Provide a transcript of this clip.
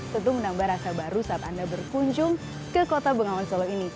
tentu menambah rasa baru saat anda berkunjung ke kota bengawan solo ini